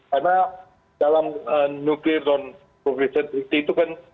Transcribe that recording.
karena dalam nuclear non provision treaty itu kan